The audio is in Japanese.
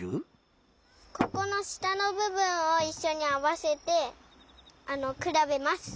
ここのしたのぶぶんをいっしょにあわせてくらべます。